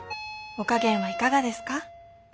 お加減はいかがですか？